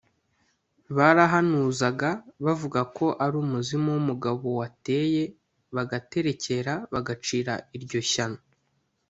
barahanuzaga bavuga ko ari umuzimu w’umugabo wateye bagaterekera bagacira iryo shyano